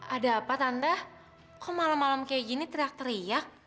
ada apa tanda kok malam malam kayak gini teriak teriak